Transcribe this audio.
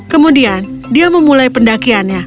kemudian dia memulai pendakiannya